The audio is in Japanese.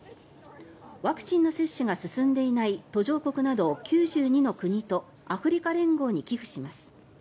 ワクチンの接種が進んでいない途上国など９２の国とアフリカ連合に寄付します。